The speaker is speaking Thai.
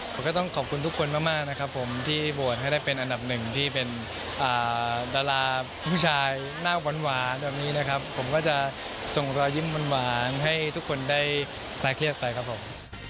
ผมก็ต้องขอบคุณทุกคนมากนะครับผมที่โหวตให้ได้เป็นอันดับหนึ่งที่เป็นดาราผู้ชายหน้าหวานแบบนี้นะครับผมก็จะส่งรอยยิ้มหวานให้ทุกคนได้คลายเครียดไปครับผม